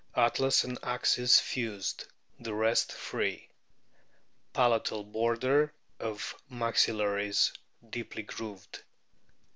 Atlas and axis fused, the rest free. Palatal border of max illaries deeply groved.